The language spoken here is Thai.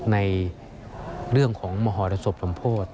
ในเรื่องของมหรสบสมโพธิ